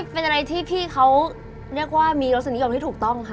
เป็นอะไรที่พี่เขาเรียกว่ามีรสนิยมที่ถูกต้องค่ะ